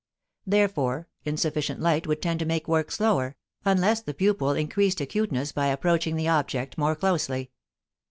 Therefore, insufficient light would tend to make work slower, unless the pupil increased acuteness by approaching the object more closely.